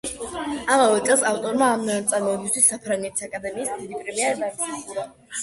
ამავე წელს ავტორმა ამ ნაწარმოებისთვის საფრანგეთის აკადემიის დიდი პრემია დაიმსახურა.